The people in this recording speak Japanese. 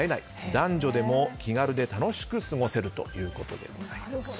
男女でも気軽で楽しく過ごせるということでございます。